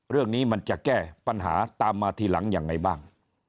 เรื่องนี้มันจะแก้ปัญหาตามมาทีหลังยังไงบ้าง